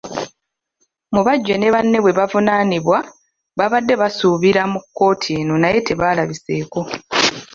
Mubajje ne banne bwe bavunaanibwa baabadde basuubira mu kkooti eno naye tebaalabiseeko.